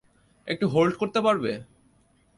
একটু হোল্ড করতে পারবে?